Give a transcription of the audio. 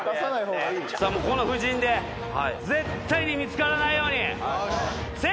さあこの布陣で絶対に見つからないように。